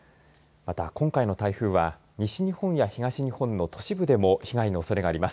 また、今回の台風は西日本や東日本の都市部でも被害のおそれがあります。